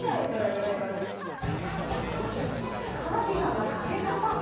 カーディガンの掛け方！